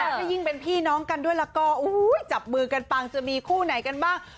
ถ้ายิ่งเป็นพี่น้องกันด้วยแล้วก็จับมือกันปังจะมีคู่ไหนกันบ้าง